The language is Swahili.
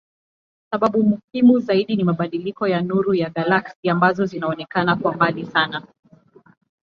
Sababu muhimu zaidi ni mabadiliko ya nuru ya galaksi ambazo zinaonekana kuwa mbali sana.